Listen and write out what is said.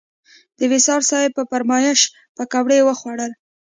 د وصال صیب په فرمایش پکوړې وخوړل.